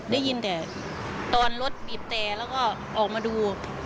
ได้ยินแต่ตอนรถบีบแต่แล้วก็ออกมาดู